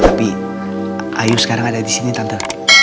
tapi ayu sekarang ada disini tante